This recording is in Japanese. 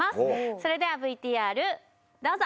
それではＶＴＲどうぞ！